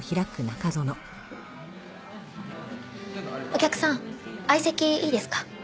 お客さん相席いいですか？